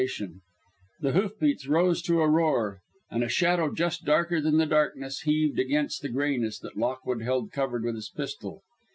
Then the hoof beats rose to a roar, and a shadow just darker than the darkness heaved against the grayness that Lockwood held covered with his pistol.